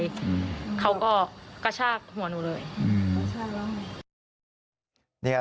เขาก็กระชากหัวหนูเลย